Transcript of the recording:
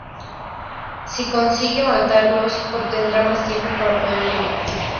Si consigue matarlos, obtendrá más tiempo para poder llegar.